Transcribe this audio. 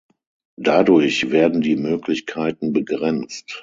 Dadurch werden die Möglichkeiten begrenzt.